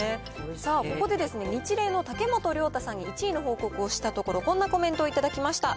さあ、ここでニチレイの竹本亮太さんに１位の報告をしたところ、こんなコメントを頂きました。